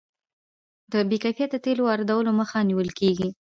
د بې کیفیته تیلو واردولو مخه نیول کیږي.